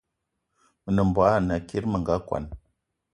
Me nem mbogue ana kiri me nga kwan